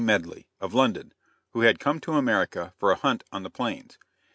Medley, of London, who had come to America for a hunt on the Plains.